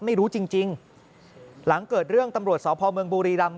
ไม่รู้จริงจริงหลังเกิดเรื่องตำรวจสพเมืองบุรีรำ